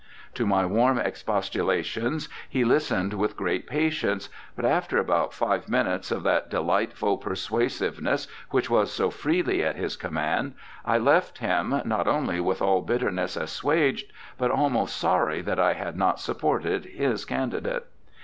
To my warm expostulations he listened with great patience, but after about five minutes of that delightful persuasive ness which was so freely at his command, I left him, not only with all bitterness assuaged, but almost sorry that I had not supported his candidate.